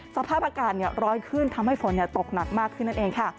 สภาพอากาศร้อนขึ้นทำให้ฝนตกหนักมากขึ้นนั่นเองค่ะ